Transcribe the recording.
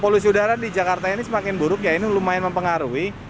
polusi udara di jakarta ini semakin buruk ya ini lumayan mempengaruhi